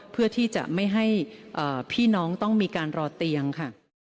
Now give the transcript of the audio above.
เพื่อที่จะไม่ให้พี่น้องต้องมีการรอเตียงค่ะ